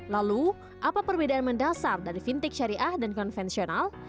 lalu apa perbedaan mendasar dari fintech syariah dan konvensional